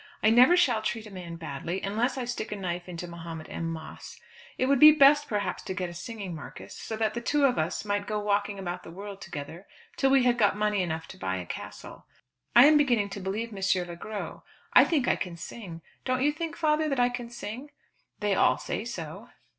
I never shall treat a man badly, unless I stick a knife into Mahomet M. Moss. It would be best perhaps to get a singing marquis, so that the two of us might go walking about the world together, till we had got money enough to buy a castle. I am beginning to believe M. Le Gros. I think I can sing. Don't you think, father, that I can sing?" "They all say so."